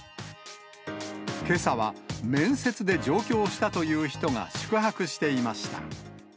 けさは面接で上京したという人が、宿泊していました。